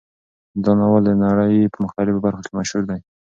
دا ناول د نړۍ په مختلفو برخو کې مشهور دی.